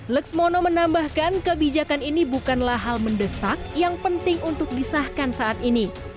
lexmono menambahkan kebijakan ini bukanlah hal mendesak yang penting untuk disahkan saat ini